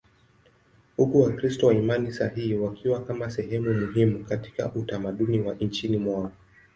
huku Wakristo wa imani sahihi wakiwa kama sehemu muhimu katika utamaduni wa nchini mwao.